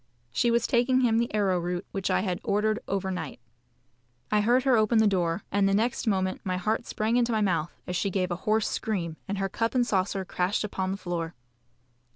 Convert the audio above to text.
She was taking him the arrowroot which I had ordered over night. I heard her open the door, and the next moment my heart sprang into my mouth as she gave a hoarse scream, and her cup and saucer crashed upon the floor.